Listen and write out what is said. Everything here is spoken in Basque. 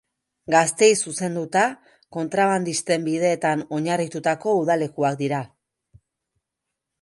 Gazteei zuzenduta, kontrabandisten bideetan oinarritutako udalekuak dira.